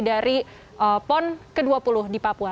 dari pon ke dua puluh di papua